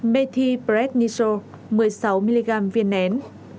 methy prednitro một mươi sáu mg viên nén